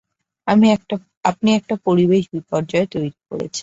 আপনি একটা পরিবেশ বিপর্যয় তৈরি করেছেন।